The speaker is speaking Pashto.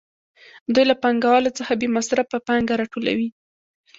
دوی له پانګوالو څخه بې مصرفه پانګه راټولوي